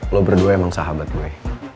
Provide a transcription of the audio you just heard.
lo berdua emang sahabat gue